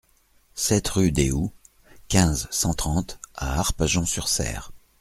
sept rue des Houx, quinze, cent trente à Arpajon-sur-Cère